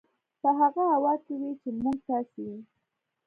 په هغه هوا کې وي چې موږ تاسې یې